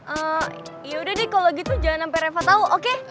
eh ya udah deh kalo gitu jangan sampe reva tau oke